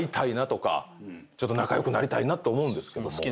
仲良くなりたいなと思うんですけども。